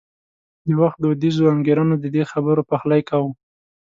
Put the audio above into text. د وخت دودیزو انګېرنو د دې خبرو پخلی کاوه.